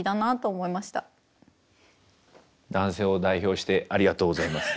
男性を代表してありがとうございます。